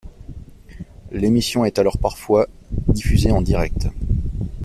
L'émission est alors parfois diffusée en direct.